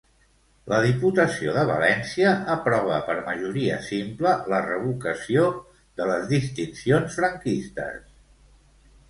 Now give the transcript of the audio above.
La Diputació de València aprova per majoria simple la revocació de les distincions franquistes.